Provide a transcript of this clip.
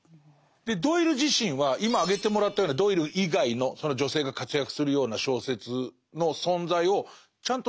でドイル自身は今挙げてもらったようなドイル以外のその女性が活躍するような小説の存在をちゃんと知っているのかしら？